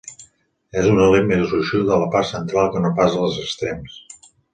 És una lent més gruixuda a la part central que no pas als extrems.